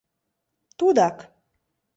«Тудак!